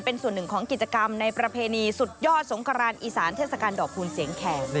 เป็นส่วนหนึ่งของกิจกรรมในประเพณีสุดยอดสงครานอีสานเทศกาลดอกคูณเสียงแขก